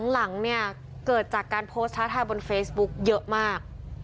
หลังเนี่ยเกิดจากการโพสต์ท้าทายบนเฟซบุ๊กเยอะมาก